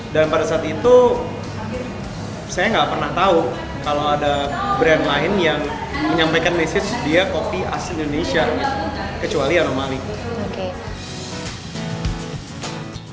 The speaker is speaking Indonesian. dan pada saat itu saya nggak pernah tahu kalau ada brand lain yang menyampaikan message dia kopi asli indonesia kecuali anomaly